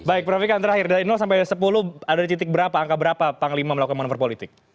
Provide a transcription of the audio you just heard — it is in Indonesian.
baik prof ikan terakhir dari sampai sepuluh ada di titik berapa angka berapa panglima melakukan manuver politik